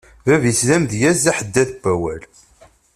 Bab-is d amedyaz d aḥeddad n wawal.